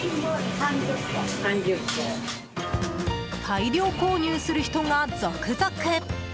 大量購入する人が続々！